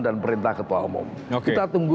dan perintah ketua umum kita tunggu